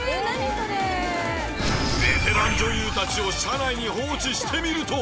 ベテラン女優たちを車内に放置してみると。